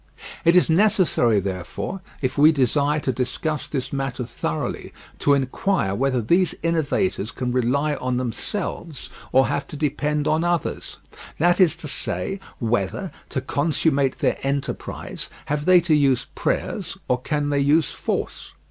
It is necessary, therefore, if we desire to discuss this matter thoroughly, to inquire whether these innovators can rely on themselves or have to depend on others: that is to say, whether, to consummate their enterprise, have they to use prayers or can they use force?